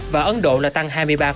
và ấn độ là tăng hai mươi ba